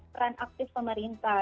peran aktif pemerintah